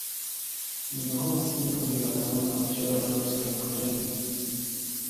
Mnoho místních obyvatel má středoevropské kořeny.